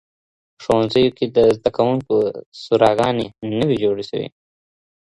په ښوونځیو کي د زده کوونکو سوراګانې نه وي جوړې سوي.